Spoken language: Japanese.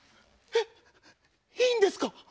えいいんですか？